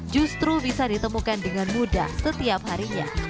justru bisa ditemukan dengan mudah setiap harinya